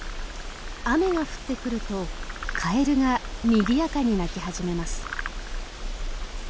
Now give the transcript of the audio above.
雨が降ってくるとカエルがにぎやかに鳴き始めます。